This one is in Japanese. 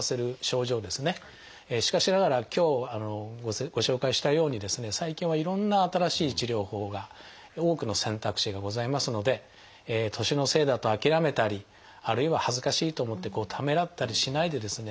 しかしながら今日ご紹介したようにですね最近はいろんな新しい治療法が多くの選択肢がございますので年のせいだと諦めたりあるいは恥ずかしいと思ってためらったりしないでですね